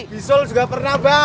bisul juga pernah mbak